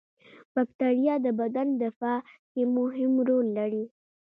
بکتریا د بدن دفاع کې مهم رول لري